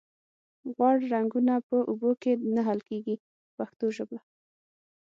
غوړ رنګونه په اوبو کې نه حل کیږي په پښتو ژبه.